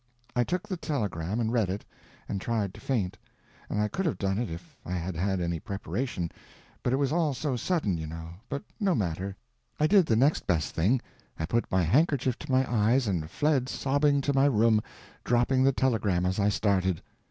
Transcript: I took the telegram and read it, and tried to faint—and I could have done it if I had had any preparation, but it was all so sudden, you know—but no matter, I did the next best thing: I put my handkerchief to my eyes and fled sobbing to my room, dropping the telegram as I started.